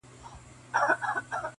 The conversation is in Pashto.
د دې خلګو قریبان دي او دوستان دي,